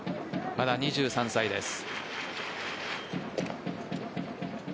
まだ２３歳です。